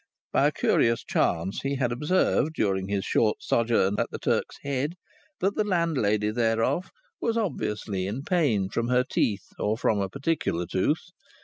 By a curious chance, he had observed, during his short sojourn at the Turk's Head, that the landlady thereof was obviously in pain from her teeth, or from a particular tooth.